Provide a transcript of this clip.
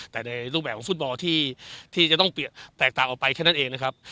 แต่ในรูปแบบของฟุตบอลที่จะต้องแตกต่างออกไปแค่นั้นเองนะครับ